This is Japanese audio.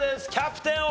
キャプテン！